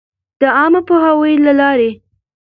د عــامه پـوهــاوي لـه لارې٫